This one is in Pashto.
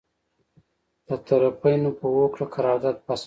د طرفینو په هوکړه قرارداد فسخه کیږي.